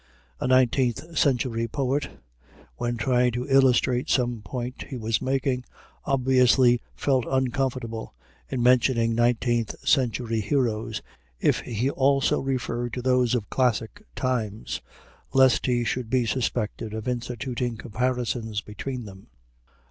A nineteenth century poet, when trying to illustrate some point he was making, obviously felt uncomfortable in mentioning nineteenth century heroes if he also referred to those of classic times, lest he should be suspected of instituting comparisons between them.